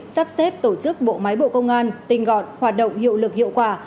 sắp xếp tổ chức bộ máy bộ công an tinh gọn hoạt động hiệu lực hiệu quả